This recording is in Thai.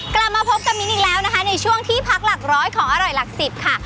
กลับมาพบกับมิ้นอีกแล้วนะคะในช่วงที่พักหลักร้อยของอร่อยหลักสิบค่ะ